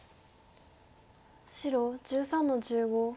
白１３の十五。